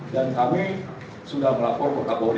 dan kami sudah melapor kepada pom